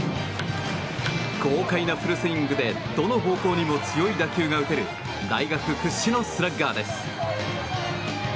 豪快なフルスイングでどの方向にも強い打球が打てる大学屈指のスラッガーです。